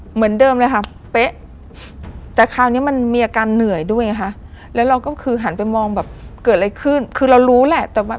เหมือนเดิมเลยค่ะเป๊ะแต่คราวนี้มันมีอาการเหนื่อยด้วยไงคะแล้วเราก็คือหันไปมองแบบเกิดอะไรขึ้นคือเรารู้แหละแต่ว่า